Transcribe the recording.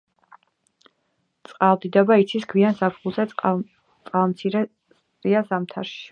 წყალდიდობა იცის გვიან გაზაფხულზე, წყალმცირეა ზამთარში.